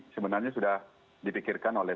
sebenarnya sudah dipikirkan oleh